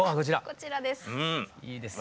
こちらです。